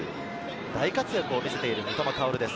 大活躍を見せている三笘薫です。